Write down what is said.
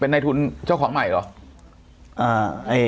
เป็นในทุนเจ้าของใหม่หรอ